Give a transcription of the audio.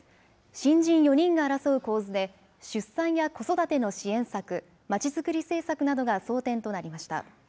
新人４人が争う構図で出産や子育ての支援策、まちづくり政策などが争点となりました。